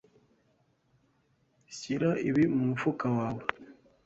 Shyira ibi mu mufuka wawe.